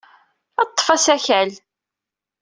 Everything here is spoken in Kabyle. Ḍḍef asakal.